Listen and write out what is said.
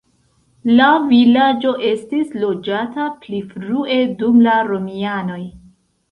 La vilaĝo estis loĝata pli frue dum la romianoj.